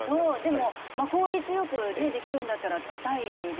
でも効率よくできるんだったらとりたいですもんね。